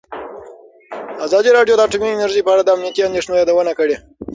ازادي راډیو د اټومي انرژي په اړه د امنیتي اندېښنو یادونه کړې.